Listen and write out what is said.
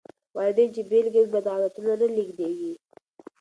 والدين چې بېلګه وي، بد عادتونه نه لېږدېږي.